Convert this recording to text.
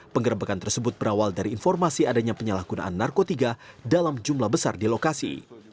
penggerbekan tersebut berawal dari informasi adanya penyalahgunaan narkotika dalam jumlah besar di lokasi